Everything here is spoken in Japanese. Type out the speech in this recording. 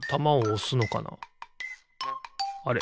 あれ？